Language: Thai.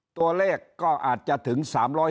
ตัวเลขก็อาจจะถึง๓๕